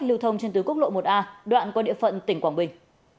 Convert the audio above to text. lưu thông trên tuyến quốc lộ một a đoạn qua địa phận tỉnh quảng bình